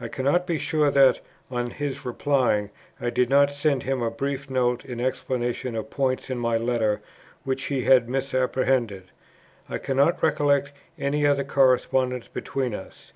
I cannot be sure that, on his replying, I did not send him a brief note in explanation of points in my letter which he had misapprehended. I cannot recollect any other correspondence between us.